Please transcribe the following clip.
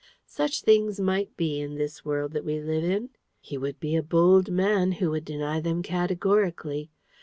Such things might be, in this world that we live in: he would be a bold man who would deny them categorically.